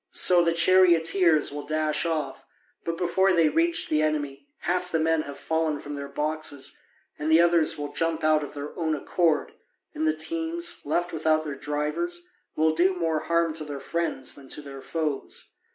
So the charioteers will dash off, but before they reach the enemy half the men have fallen from their boxes, and the others will jump out of their own accord, and the teams, left without their drivers, will do more harm to their friends than to their foes.